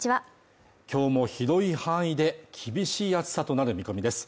きょうも広い範囲で厳しい暑さとなる見込みです